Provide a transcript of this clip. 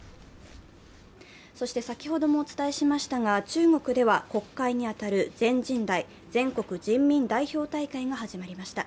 そして先ほどもお伝えしましたが中国では国会に当たる全人代＝全国人民代表大会が始まりました。